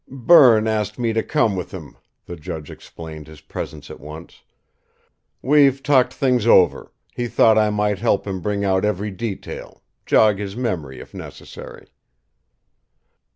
"Berne asked me to come with him," the judge explained his presence at once. "We've talked things over; he thought I might help him bring out every detail jog his memory, if necessary."